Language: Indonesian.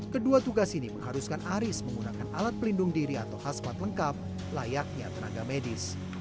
kedua tugas ini mengharuskan aris menggunakan alat pelindung diri atau khasmat lengkap layaknya tenaga medis